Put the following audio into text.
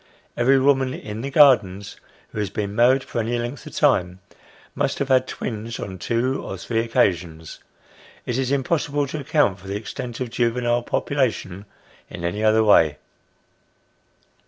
Every woman in " the gardens," who has been married for any length of time, must have had twins on two or three occasions ; it is impossible to account for the extent of juvenile population in any other way.